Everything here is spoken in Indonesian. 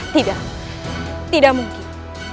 tidak tidak mungkin